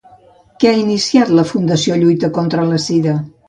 Què ha iniciat la Fundació Lluita contra la Sida?